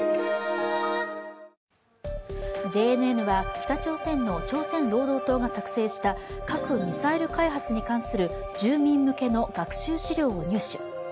ＪＮＮは北朝鮮の朝鮮労働党が作成した核ミサイル開発に関する住民向けの学習資料を入手。